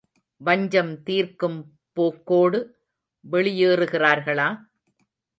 வஞ்சம் தீர்க்கும் போக்கோடு வெளியேறுகிறார்களா?